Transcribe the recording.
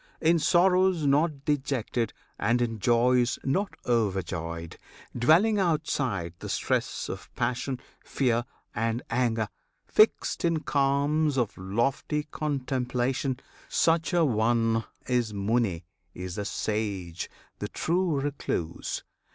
In sorrows not dejected, and in joys Not overjoyed; dwelling outside the stress Of passion, fear, and anger; fixed in calms Of lofty contemplation; such an one Is Muni, is the Sage, the true Recluse!